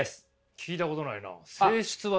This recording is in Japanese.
聞いたことないな性質割。